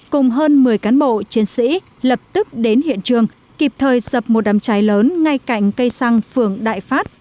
cùng hơn một mươi cán bộ chiến sĩ lập tức đến hiện trường kịp thời dập một đám cháy lớn ngay cạnh cây xăng phường đại phát